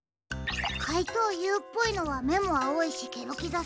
かいとうＵっぽいのはめもあおいしケロキザ